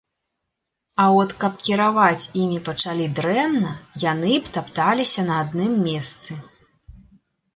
А от каб кіраваць імі пачалі дрэнна, яны б тапталіся на адным месцы.